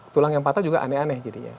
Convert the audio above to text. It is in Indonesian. tulang yang patah juga aneh aneh jadinya